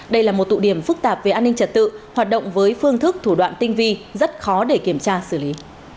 đây là một tụ điểm phức tạp về an ninh trật tự hoạt động với phương thức thủ đoạn tinh vi rất khó để kiểm tra xử lý